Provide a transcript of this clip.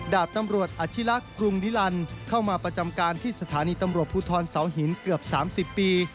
ดาบตำรวจอธิลักษณ์กรุงนิลันเข้ามาประจำการที่สถานีตำรวจภูทรเสาหินเกือบ๓๐ปี